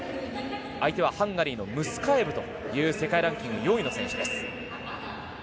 相手はハンガリーのムスカエブという世界ランキング４位の選手です。